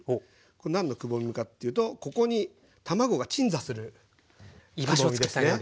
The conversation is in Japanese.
これ何のくぼみかというとここに卵が鎮座するくぼみですね。